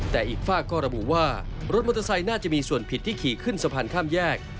แต่อีกฝากก็ระบุว่ารถมอเตอร์ไซค์น่าจะมีส่วนผิดที่ขี่ขึ้นสะพานข้ามแยก